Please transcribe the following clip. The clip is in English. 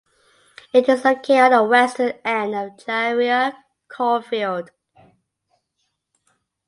It is located on the western end of Jharia Coalfield.